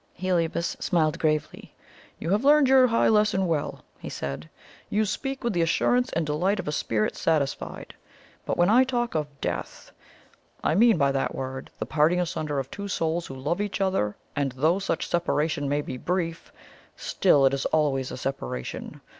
Heliobas smiled gravely. "You have learned your high lesson well," he said. "You speak with the assurance and delight of a spirit satisfied. But when I talk of DEATH, I mean by that word the parting asunder of two souls who love each other; and though such separation may be brief, still it is always a separation.